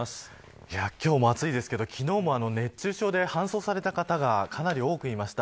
今日も暑いですけれども昨日も熱中症で搬送された方がかなり多くいました。